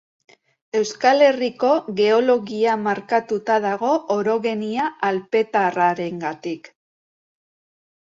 Euskal Herriko geologia markatuta dago orogenia alpetarrarengatik.